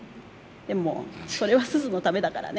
でもそれはスズのためだからね。